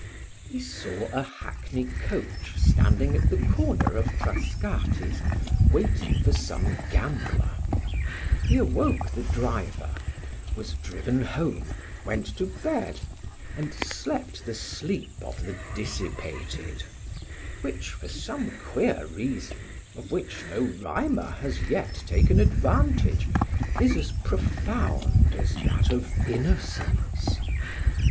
He saw a hackney coach standing at the corner of Frascati's waiting for some gambler; he awoke the driver, was driven home, went to bed, and slept the sleep of the dissipated, which for some queer reason of which no rhymer has yet taken advantage is as profound as that of innocence.